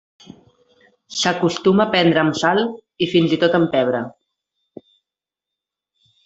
S'acostuma a prendre amb sal i fins i tot amb pebre.